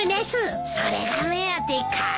それが目当てか。